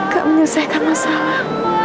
gak menyelesaikan masalah